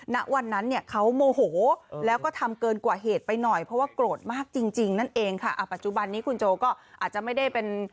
ณวันนั้นเนี่ยเขาโมโหแล้วก็ทำเกินกว่าเหตุไปหน่อยเพราะว่าโกรธมากจริงจริงนั่นเองค่ะปัจจุบันนี้คุณโจก็อาจจะไม่ได้เป็น